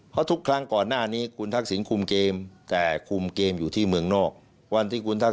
เพราะทุกครั้งก่อนหน้านี้คุณทักศิลป์คุมเกม